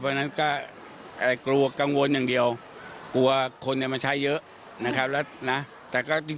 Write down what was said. เพราะฉะนั้นทุกอย่างเราตรวจสอบได้นะครับ